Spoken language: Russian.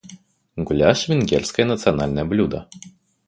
Гуляш - венгерское национальное блюдо.